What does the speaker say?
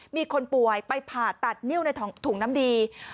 มีคนป่วยไปผ่าตัดนิ้วในถุงน้ำดี